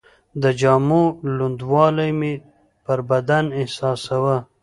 د جامو لوندوالی مې پر بدن احساساوه.